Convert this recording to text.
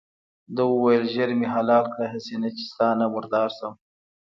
ده وویل ژر مې حلال کړه هسې نه چې ستا نه مردار شم.